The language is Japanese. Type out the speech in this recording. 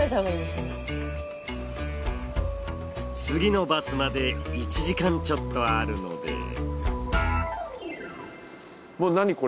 次のバスまで１時間ちょっとあるので。